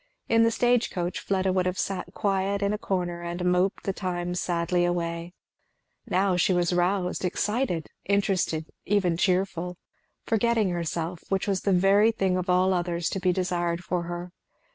In the stage coach Fleda would have sat quiet in a corner and moped the time sadly away, now she was roused, excited, interested, even cheerful; forgetting herself, which was the very thing of all others to be desired for her.